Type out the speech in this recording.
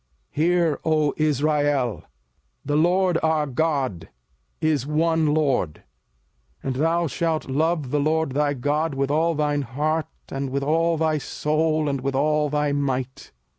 05:006:004 Hear, O Israel: The LORD our God is one LORD: 05:006:005 And thou shalt love the LORD thy God with all thine heart, and with all thy soul, and with all thy might.